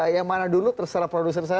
yang mana dulu terserah produser saya